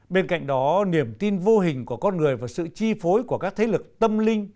bên cạnh đó niềm tin vô hình của con người và sự chi phối của các thế lực tâm linh